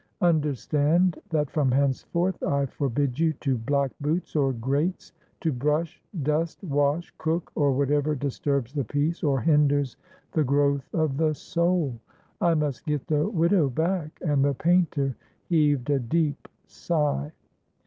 Understand that from henceforth I forbid you to black boots or grates, to brush, dust, wash, cook, or whatever disturbs the peace or hinders the growth of the soul. I must get the widow back!" and the painter heaved a deep sigh.